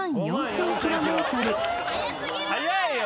速いよ！